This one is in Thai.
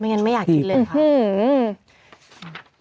ไม่งั้นไม่อยากกินเลยค่ะ